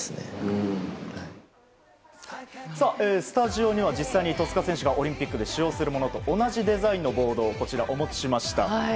スタジオには実際に戸塚選手がオリンピックで使用するものと同じデザインのボードをこちらお持ちしました。